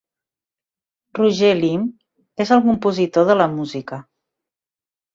Roger Limb és el compositor de la música.